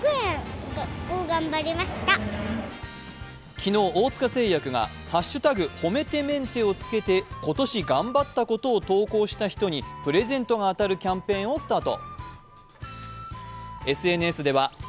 昨日、大塚製薬が「＃ほめてメンテ」をつけて今年頑張ったことを投稿した人にプレゼントが当たるキャンペーンをスタート。